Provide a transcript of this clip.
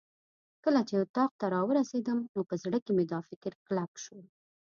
کله چې اتاق ته راورسېدم نو په زړه کې مې دا فکر کلک شو.